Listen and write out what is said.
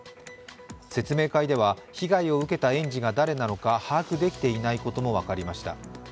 説明会では被害を受けた園児が誰なのか把握できていないことも分かりました。